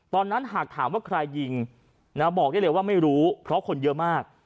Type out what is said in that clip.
ตอนนั้นหากถามว่าใครยิงบอกได้เลยว่าไม่รู้เพราะคนเยอะมาก